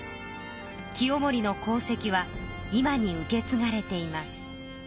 清盛の功績は今に受けつがれています。